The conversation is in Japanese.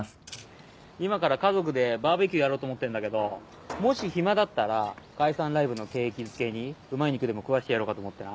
今から家族でバーベキューやろうと思ってんだけどもし暇だったら解散ライブの景気づけにうまい肉でも食わしてやろうかと思ってな。